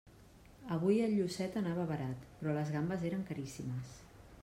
Avui el llucet anava barat, però les gambes eren caríssimes.